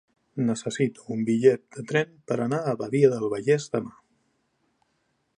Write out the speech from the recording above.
Necessito un bitllet de tren per anar a Badia del Vallès demà.